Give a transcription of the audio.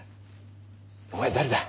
お前誰だ？